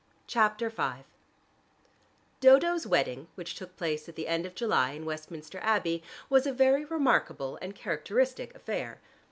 CHAPTER V Dodo's wedding, which took place at the end of July in Westminster Abbey, was a very remarkable and characteristic affair.